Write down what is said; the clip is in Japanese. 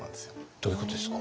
どういうことですか？